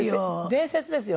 伝説ですよね。